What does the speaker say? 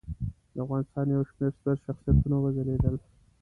د افغانستان یو شمېر ستر شخصیتونه وځلیدل.